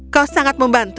kau sangat membantu